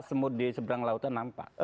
semut di seberang lautan nampak